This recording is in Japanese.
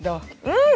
うん！